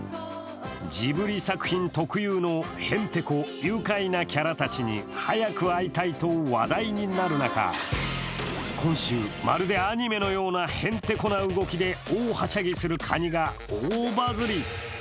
ジブリ作品特有のヘンテコ、愉快なキャラたちに話題になる中、早く会いたいと話題になる中、今週、まるでアニメのようなへんてこな動きで大はしゃぎするカニが大バズリ。